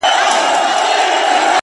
د چا په برېت کي ونښتې پېزوانه سرگردانه-